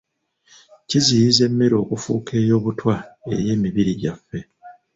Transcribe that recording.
Kiziyiza emmere okufuuka ey'obutwa eri emibiri gyaffe.